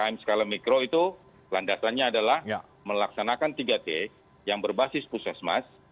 ppkm skala mikro itu landasannya adalah melaksanakan tiga t yang berbasis pusat mas